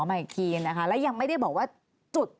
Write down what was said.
มาอีกทีนะคะแล้วยังไม่ได้บอกว่าจุด